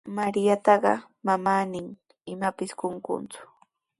Mariataqa manami imapis qukunku.